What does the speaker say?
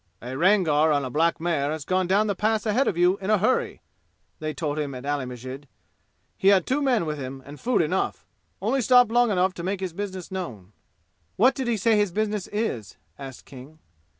"A Rangar on a black mare has gone down the pass ahead of you in a hurry," they told him at Ali Masjid. "He had two men with him and food enough. Only stopped long enough to make his business known." "What did he say his business is?" asked King.